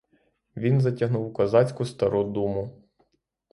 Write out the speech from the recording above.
Він затягнув козацьку стару думу.